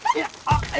あっ。